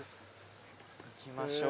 行きましょう。